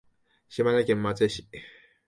島根県松江市